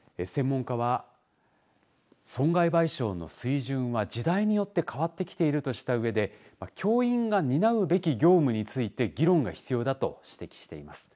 専門家は損害賠償の水準は時代によって変わってきているとしたうえで教員が担うべき業務について議論が必要だと指摘しています。